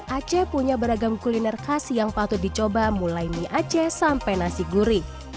aceh punya beragam kuliner khas yang patut dicoba mulai mie aceh sampai nasi gurih